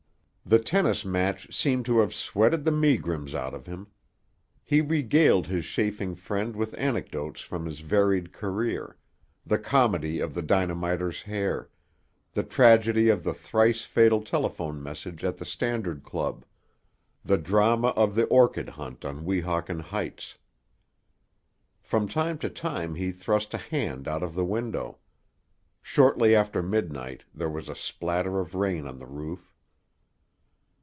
The tennis match seemed to have sweated the megrims out of him. He regaled his chafing friend with anecdotes from his varied career; the comedy of the dynamiter's hair; the tragedy of the thrice fatal telephone message at the Standard Club; the drama of the orchid hunt on Weehawken Heights. From time to time he thrust a hand out of the window. Shortly after midnight there was a splatter of rain on the roof.